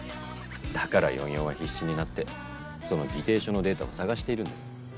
だから４４は必死になってその議定書のデータを捜しているんです。